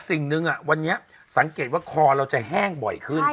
สิ่งหนึ่งวันนี้สังเกตว่าคอเราจะแห้งบ่อยขึ้น